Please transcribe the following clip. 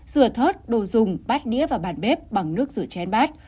rửa thớt đồ dùng bát đĩa và bàn bếp bằng nước rửa chén bát